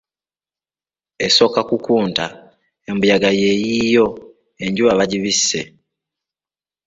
"Esooka kukunta, embuyaga yeeyiyo, enjuba bagibisse."